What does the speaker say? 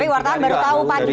tapi wartawan baru tahu pagi tadi